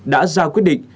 đã ra quyết định